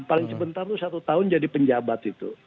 paling sebentar itu satu tahun jadi penjabat itu